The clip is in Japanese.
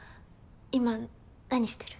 今何してる？